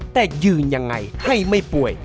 แต่ยืนยังไงให้ไม่ป่วย